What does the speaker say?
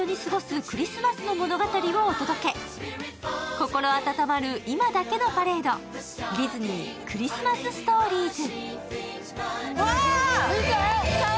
心温まる今だけのパレード、ディズニー・クリスマス・ストーリーズ。